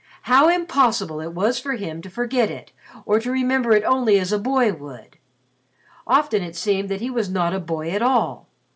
How impossible it was for him to forget it or to remember it only as a boy would! Often it seemed that he was not a boy at all.